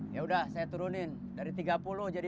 yaudah saya turunin dari tiga puluh jadi dua puluh